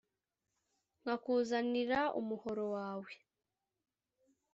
nkakuzanira umuhoro wawe »